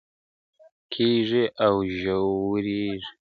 کيږي او ژورېږي